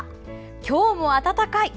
今日も暖かい！